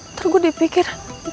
ntar gue dipikir